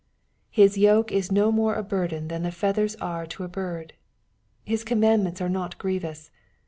His yoke is no more a burden than the feathers are to a bird. His commandments are not grievous.